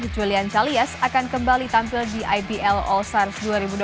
julian calias akan kembali tampil di ibl all sars dua ribu dua puluh